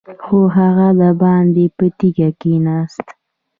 خو هغه دباندې په تيږه کېناست.